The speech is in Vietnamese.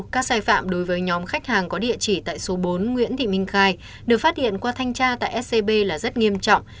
các sai phạm đối với nhóm khách hàng có địa chỉ tại số bốn nguyễn thị minh khai được phát hiện qua thanh tra tại scb là rất nghiêm trọng